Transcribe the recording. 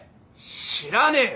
知らねえよ